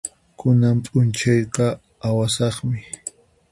Kunan p'unchayqa awasaqmi.